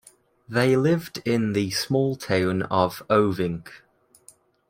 They lived in the small town of Oving.